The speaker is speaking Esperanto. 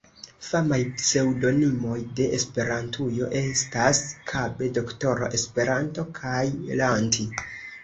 Famaj pseŭdonimoj de Esperantujo estas Kabe, D-ro Esperanto kaj Lanti.